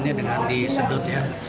penyelesaiannya dengan disedot ya